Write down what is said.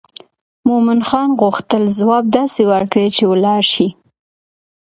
مومن خان غوښتل ځواب داسې ورکړي چې ولاړ شي.